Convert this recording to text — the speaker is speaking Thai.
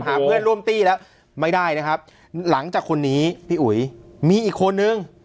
หาเพื่อนร่วมตี้แล้วไม่ได้นะครับหลังจากคนนี้พี่อุ๋ยมีอีกคนนึง